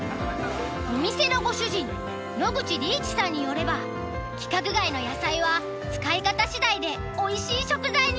お店のご主人野口利一さんによれば規格外の野菜は使い方次第でおいしい食材になるんだって。